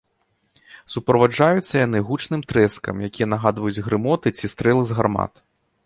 Суправаджаюцца яны гучным трэскам, якія нагадваюць грымоты ці стрэлы з гармат.